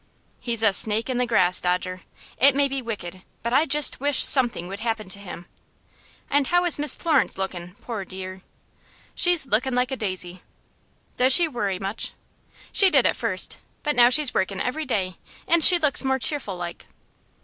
"He's a snake in the grass, Dodger. It may be wicked, but I just wish something would happen to him. And how is Miss Florence lookin', poor dear?" "She's lookin' like a daisy." "Does she worry much?" "She did at first, but now she's workin' every day, and she looks more cheerful like."